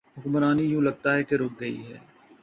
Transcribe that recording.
حکمرانی یوں لگتا ہے کہ رک گئی ہے۔